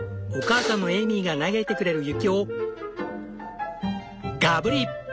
お母さんのエイミーが投げてくれる雪をガブリ！